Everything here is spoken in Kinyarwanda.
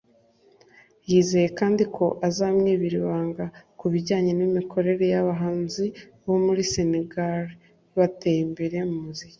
yizeye kandi ko azamwibira ibanga ku bijyanye n’imikorere y’abahanzi bo muri Senegal bateye imbere mu muziki